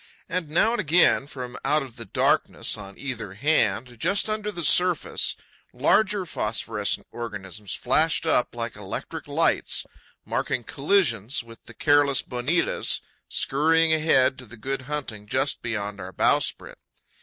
And now and again, from out of the darkness on either hand, just under the surface, larger phosphorescent organisms flashed up like electric lights, marking collisions with the careless bonitas skurrying ahead to the good hunting just beyond our bowsprit.